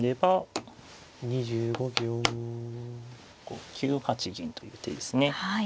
こう９八銀という手ですね。